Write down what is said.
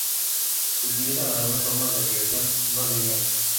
Se utiliza en algunas formas de regresión no lineal.